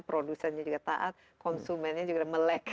produsennya juga taat konsumennya juga melek